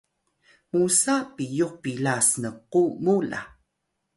musa piyux pila snku mu la